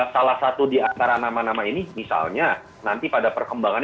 salah satu di antara nama nama ini misalnya nanti pada perkembangan